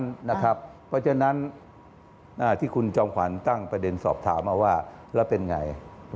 เพราะฉะนั้นที่คุณจอมขวัญตั้งประเด็นสอบถามมาว่าแล้วเป็นไง